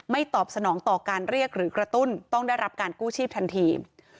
ตอบสนองต่อการเรียกหรือกระตุ้นต้องได้รับการกู้ชีพทันที